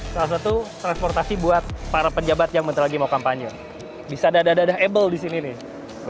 salah satu transportasi buat para penjabat yang nanti lagi mau kampanye bisa dadah dadah abel di sini nih